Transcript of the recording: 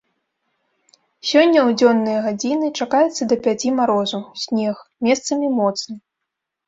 Сёння ў дзённыя гадзіны чакаецца да пяці марозу, снег, месцамі моцны.